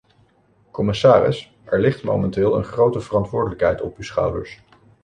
Commissaris, er ligt momenteel een grote verantwoordelijkheid op uw schouders.